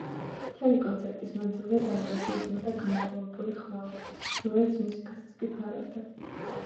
მთელი კონცერტის მანძილზე დარბაზში ისმოდა გამაყრუებელი ხმაური, რომელიც მუსიკასაც კი ფარავდა.